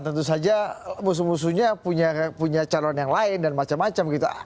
tentu saja musuh musuhnya punya calon yang lain dan macam macam gitu